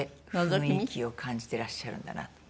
雰囲気を感じてらっしゃるんだな。